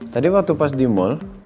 tadi waktu pas di mal